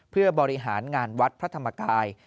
เพื่อบริหารงานวัดพระธรรมกาย